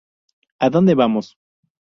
A Dónde Vamos?